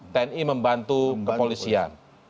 tni membantu kepolisian